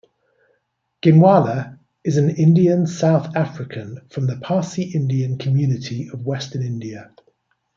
Ginwala is an Indian South African from the Parsi-Indian community of western India.